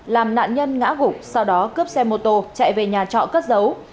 làm nạn nhân ngã gục sau đó cướp xe mô tô chạy về nhà trọ cất dấu